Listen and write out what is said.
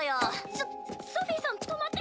ソソフィさん止まって。